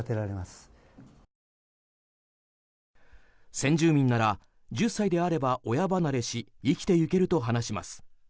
先住民なら１０歳であれば親離れし生きていけると話します。